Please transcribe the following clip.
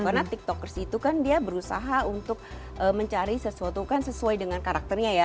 karena tiktokers itu kan dia berusaha untuk mencari sesuatu kan sesuai dengan karakternya ya